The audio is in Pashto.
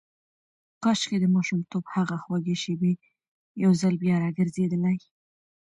کاشکې د ماشومتوب هغه خوږې شېبې یو ځل بیا راګرځېدلای.